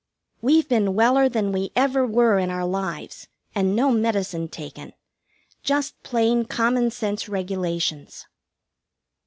We've been weller than we ever were in our lives, and no medicine taken. Just plain common sense regulations.